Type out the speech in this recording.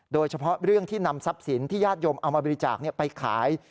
โดยเฉพาะเรื่องที่นำทรัพย์สินที่ญาติโยมเอามาบริจาคไปขาย